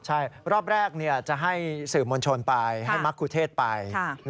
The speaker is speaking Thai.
ใช่รอบแรกจะให้สื่อมวลชนไปให้มรรคุเทศไป